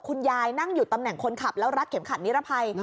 นั่งอยู่ตำแหน่งคนขับแล้วรัดเข็มขัดนิรภัย